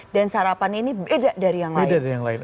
dan sarapan ini beda dari yang lain